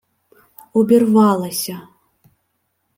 Обірвалася